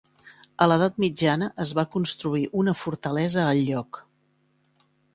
A l'edat mitjana es va construir una fortalesa al lloc.